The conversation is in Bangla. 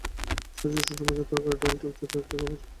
সজি, ছোটো মাছের তরকারি, ডাল এবং টকজাতীয় একটা খাবার।